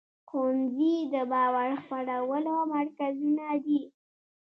ښوونځي د باور خپرولو مرکزونه دي.